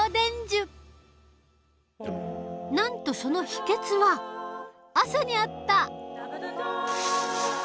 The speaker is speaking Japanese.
なんとそのヒケツは朝にあった。